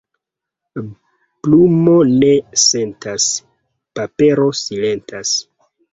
Plumo ne sentas, papero silentas.